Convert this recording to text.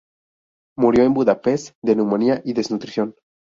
Murió en Budapest de neumonía y desnutrición.